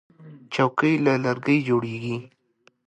چوکۍ له لرګي جوړیږي.